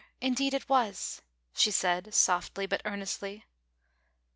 Indeed it was," she said, softly but earnestly.